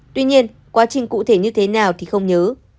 tuy nhiên quá trình cụ thể như thế nào thì không nhớ